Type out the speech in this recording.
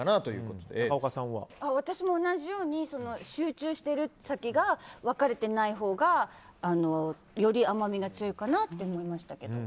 私も同じように集中してる先が分かれてないほうがより甘みが強いかなって。